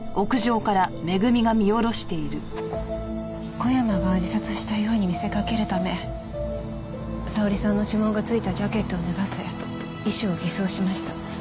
小山が自殺したように見せかけるため沙織さんの指紋が付いたジャケットを脱がせ遺書を偽装しました。